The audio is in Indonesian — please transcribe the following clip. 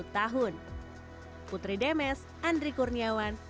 sepuluh tahun putri demes andri kurniawan